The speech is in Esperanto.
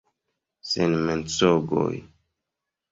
Sen mensogoj!